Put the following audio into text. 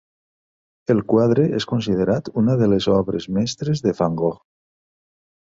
El quadre és considerat una de les obres mestres de Van Gogh.